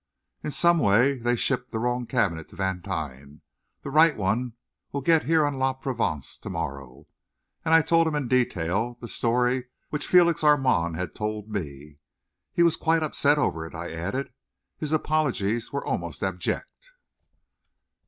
"In some way, they shipped the wrong cabinet to Vantine. The right one will get here on La Provence to morrow," and I told him in detail the story which Felix Armand had told me. "He was quite upset over it," I added, "His apologies were almost abject."